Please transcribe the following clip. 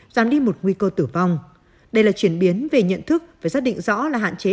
giảm đi một nguy cơ tử vong đây là chuyển biến về nhận thức và xác định rõ là hạn chế